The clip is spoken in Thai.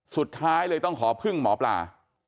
สุดท้ายเลยต้องขอพึ่งหมอปลา